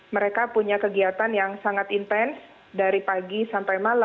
mereka punya kegiatan yang sangat intens dari pagi sampai malam